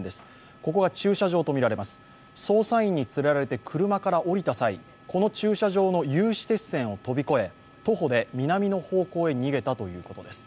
ここが駐車場とみられます、捜査員に連れられて車から降りた際、この駐車場の有刺鉄線を飛び越え、徒歩で南の方向へ逃げたということです。